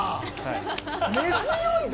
根強いな。